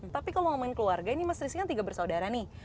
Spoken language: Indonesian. tapi kalau ngomongin keluarga ini mas rizky kan tiga bersaudara nih